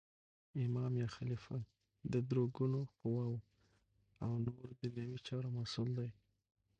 امام یا خلیفه د درو ګونو قوواو او نور دنیوي چارو مسول دی.